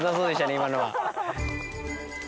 今のは。